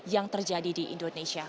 yang terjadi di indonesia